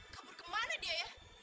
kabur kemana dia ya